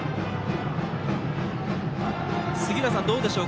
杉浦さん、どうでしょう。